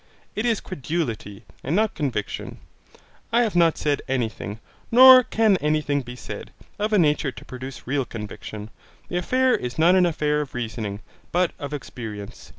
It is credulity, and not conviction. I have not said any thing, nor can any thing be said, of a nature to produce real conviction. The affair is not an affair of reasoning, but of experience.